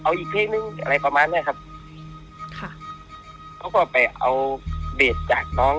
เอาอีกเพลงนึงอะไรประมาณเนี้ยครับค่ะเขาก็ไปเอาเบสจากน้อง